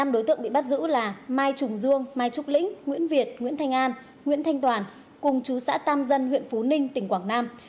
năm đối tượng bị bắt giữ là mai trùng dương mai trúc lĩnh nguyễn việt nguyễn thanh an nguyễn thanh toàn cùng chú xã tam dân huyện phú ninh tỉnh quảng nam